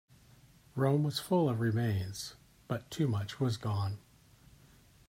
Rome was full of remains, but too much was gone.